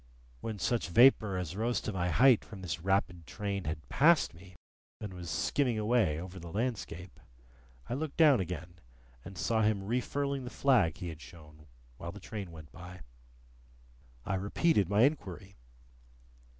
When such vapour as rose to my height from this rapid train had passed me, and was skimming away over the landscape, I looked down again, and saw him refurling the flag he had shown while the train went by. I repeated my inquiry.